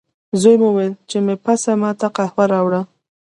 زوی مې وویل، چې مې پسه ما ته قهوه راوړه.